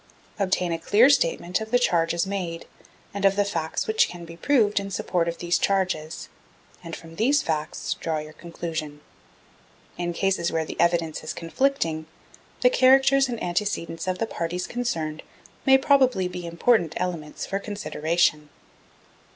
Obtain a clear statement of the charges made, and of the facts which can be proved in support of these charges, and from these facts draw your conclusions. In cases where the evidence is conflicting, the characters and antecedents of the parties concerned may probably be important elements for consideration.